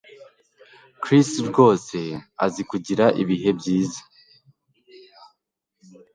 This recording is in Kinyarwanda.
Chris rwose azi kugira ibihe byiza